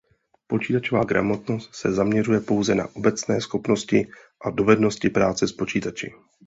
Počítačová gramotnost se zaměřuje pouze na obecné schopnosti a dovednosti práce s počítači.